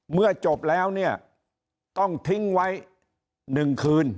เมื่อจบแล้วเนี่ยต้องทิ้งไว้๑คืน